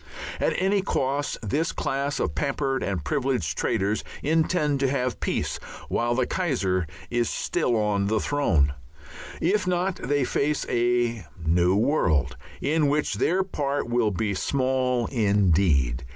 At any cost this class of pampered and privileged traitors intend to have peace while the Kaiser is still on his throne. If not they face a new world in which their part will be small indeed.